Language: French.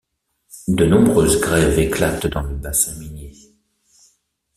De nombreuses grèves éclatent dans le bassin minier.